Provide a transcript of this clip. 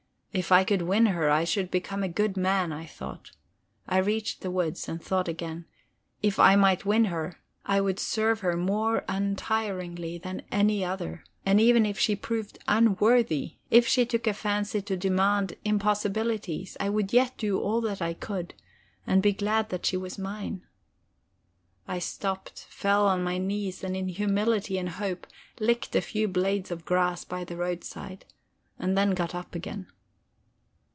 If I could win her, I should become a good man, I thought. I reached the woods and thought again: If I might win her, I would serve her more untiringly than any other; and even if she proved unworthy, if she took a fancy to demand impossibilities, I would yet do all that I could, and be glad that she was mine... I stopped, fell on my knees, and in humility and hope licked a few blades of grass by the roadside, and then got up again.